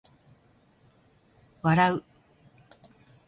笑う